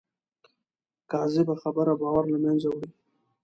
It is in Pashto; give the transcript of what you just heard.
کاذبه خبره باور له منځه وړي